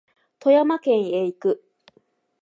富山県へ行く